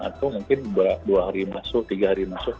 atau mungkin dua hari masuk tiga hari masuk